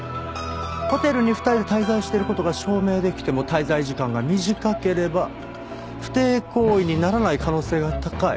ホテルに２人で滞在してる事が証明できても滞在時間が短ければ不貞行為にならない可能性が高い。